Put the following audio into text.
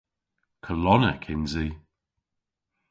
Kolonnek yns i.